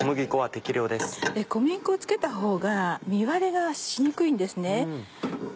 小麦粉を付けたほうが身割れがしにくいんですね。